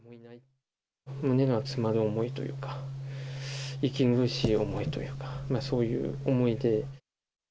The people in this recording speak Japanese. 胸が詰まる思いというか、息苦しい思いというか、そういう思いで。